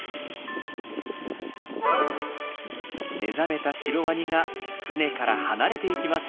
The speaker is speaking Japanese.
目覚めたシロワニが船から離れていきます。